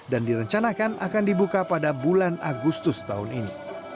dan direncanakan akan dibuka pada bulan agustus tahun ini